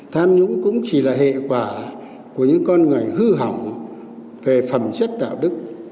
tham nhũng cũng chỉ là hệ quả của những con người hư hỏng về phẩm chất đạo đức